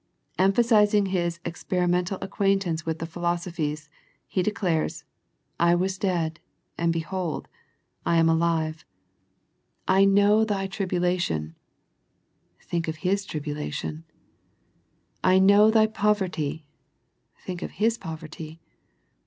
Em phasizing His experimental acquaintance with the philosophies, He declares " I was dead, and behold, I am alive." *' I know thy tribula The Smyrna Letter 75 tion !" Think of His tribulation. " I know thy poverty !" Think of His poverty.